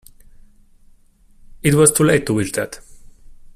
It was too late to wish that!